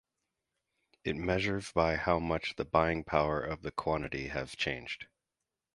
It measures by how much the buying power of the quantity has changed.